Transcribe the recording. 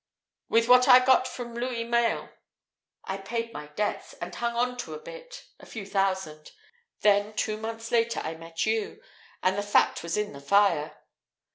With what I got from Louis Mayen I paid my debts, and hung onto a bit, a few thousands. Then, two months later, I met you and the fat was in the fire!"